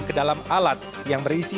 ke dalam alat yang berisi